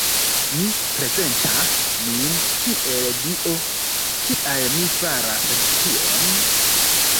Mi prezentas min kiel Dio, kial mi faras tion?